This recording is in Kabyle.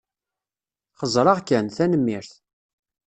Xeẓẓreɣ kan, tanemmirt.